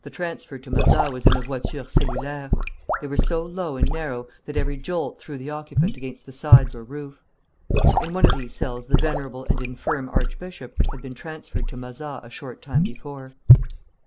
The transfer to Mazas was in the voitures cellulaires. They were so low and narrow that every jolt threw the occupant against the sides or roof. In one of these cells the venerable and infirm archbishop had been transferred to Mazas a short time before.